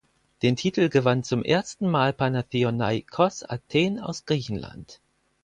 Den Titel gewann zum ersten Mal Panathinaikos Athen aus Griechenland.